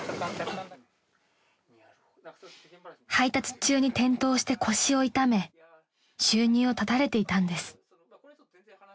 ［配達中に転倒して腰を痛め収入を断たれていたんです］